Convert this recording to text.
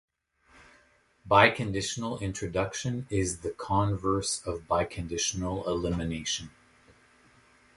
Biconditional introduction is the converse of biconditional elimination.